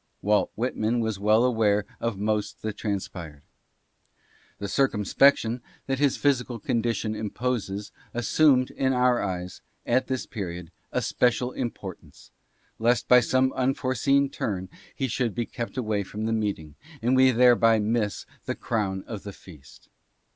Walt Whitman was well aware of most that transpired. The circumspection that his physical condition imposes assumed, in our eyes, at this period, a special importance, lest by some unforeseen turn he should be kept away from the meeting, and we thereby miss the crown of the feast.